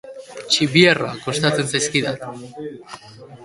Beste hogei mila bat artikulu argitaratzea lortu dugu.